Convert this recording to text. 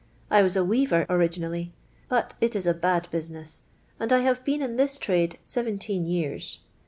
I was a weaver originally, but it is a bad business, and I have been in this trade seventeen years.